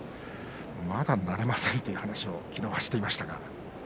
まだ慣れませんという話をしていました。